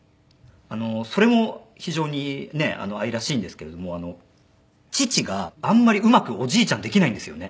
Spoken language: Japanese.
それも非常にね愛らしいんですけれども父があんまりうまくおじいちゃんできないんですよね。